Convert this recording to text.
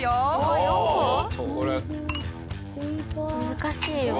難しいよ。